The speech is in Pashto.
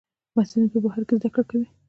محصلین په بهر کې زده کړې کوي.